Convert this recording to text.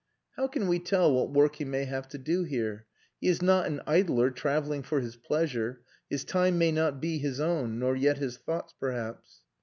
"How can we tell what work he may have to do here? He is not an idler travelling for his pleasure. His time may not be his own nor yet his thoughts, perhaps."